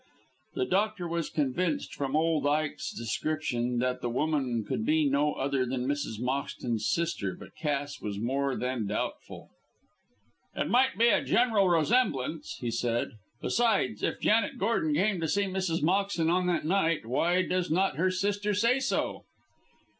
The doctor was convinced from old Ike's description that the woman could be no other than Mrs. Moxton's sister, but Cass was more than doubtful. "It might be a general resemblance," he said. "Besides, if Janet Gordon came to see Mrs. Moxton on that night, why does not her sister say so?"